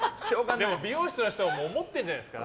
でも美容室の人も思ってるんじゃないですか。